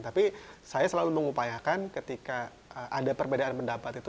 tapi saya selalu mengupayakan ketika ada perbedaan pendapat itu